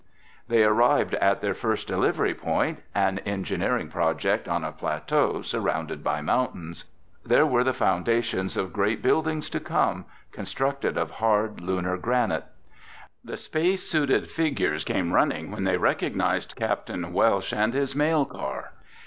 They arrived at their first delivery point, an engineering project on a plateau surrounded by mountains. There were the foundations of great buildings to come, constructed of hard Lunar granite. The space suited figures came running when they recognized Capt. Welsh and his mail car.